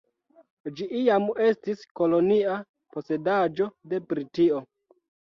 Ĝi iam estis kolonia posedaĵo de Britio.